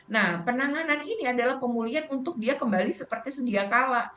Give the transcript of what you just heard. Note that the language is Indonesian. nah penanganan ini adalah pemulihan untuk dia kembali seperti sendia kala